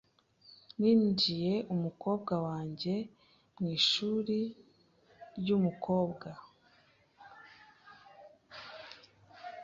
Ninjiye umukobwa wanjye mwishuri ryumukobwa .